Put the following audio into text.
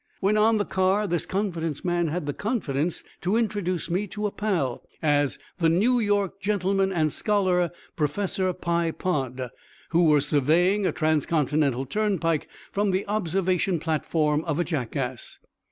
When on the car, this confidence man had the confidence to introduce me to a pal, as the New York gentleman and scholar, Professor Pye Pod, who was surveying a trans continental turnpike from the observation platform of a jackass.